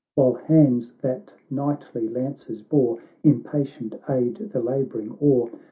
"While bands that knightly lances bore Impatient aid the labouring oar.